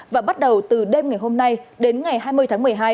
và bắt đầu từ đêm ngày hôm nay đến ngày hai mươi tháng một mươi hai